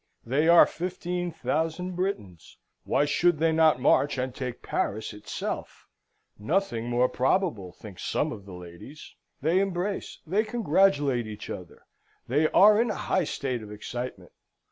They are fifteen thousand Britons. Why should they not march and take Paris itself? Nothing more probable, think some of the ladies. They embrace; they congratulate each other; they are in a high state of excitement.